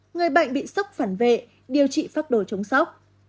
người bệnh bị sốc phản vệ điều trị phát đổi chống sốc